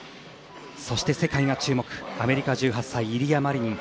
そして、世界が注目アメリカの１８歳、イリア・マリニン。